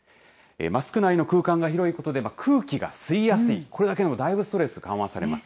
マスク内の空間が広いことで、空気が吸いやすい、これだけでもだいぶ、ストレス緩和されます。